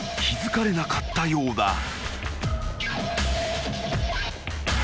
［気付かれなかったようだ］